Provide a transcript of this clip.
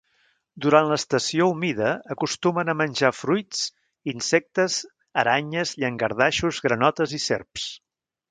Durant l'estació humida acostumen a menjar fruits, insectes, aranyes, llangardaixos, granotes i serps.